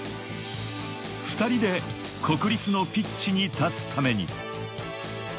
２人で国立のピッチに立つために。